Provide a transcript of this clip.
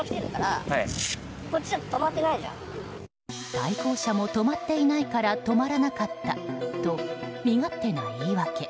対向車も止まっていないから止まらなかったと身勝手な言い訳。